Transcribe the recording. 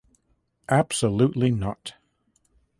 Absolutely not.